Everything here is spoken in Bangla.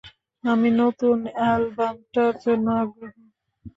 আমি নতুন এলবামটার জন্য আগ্রহী।